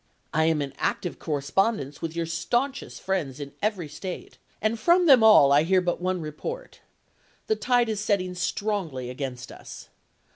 I am in active correspondence with your stanchest friends in every State and from them all I hear but one report. The tide is setting strongly against us.